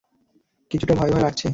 কিছুটা ভয় ভয় লাগছে!